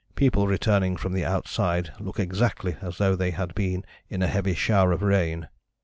People returning from the outside look exactly as though they had been in a heavy shower of rain.